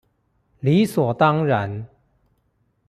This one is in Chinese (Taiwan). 理所當然